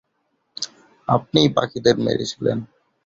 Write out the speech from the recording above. আপনিই বাকিদের মেরেছিলেন।